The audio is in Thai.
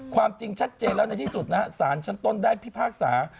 ความจริงชัดเจนแล้วในที่สุดนะฮะสารชั้นต้นได้พิพากษา